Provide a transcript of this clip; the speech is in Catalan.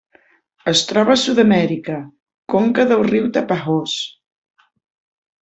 Es troba a Sud-amèrica: conca del riu Tapajós.